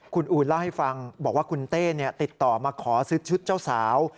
คุณอูนเล่าให้ฟังบอกว่าคุณเต้ติดต่อมาขอซื้อชุดเจ้าสาว